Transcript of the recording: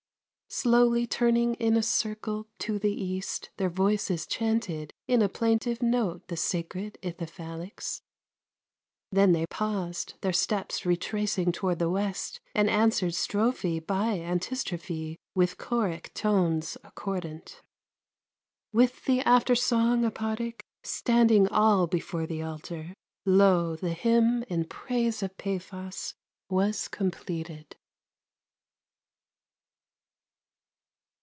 Slowly turning in a circle To the east, their voices chanted In a plaintive note the sacred Ithyphallics; Then they paused, their steps retracing Toward the west, and answered strophe By antistrophe with choric Tones accordant; With the aftersong epodic, Standing all before the altar, Lo! the hymn in praise of Paphos Was completed.